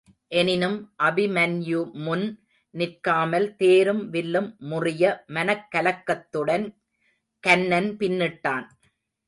எனினும் அபிமன்யுமுன் நிற்காமல் தேரும் வில்லும் முறிய மனக் கலக்கத்துடன் கன்னன் பின்னிட்டான்.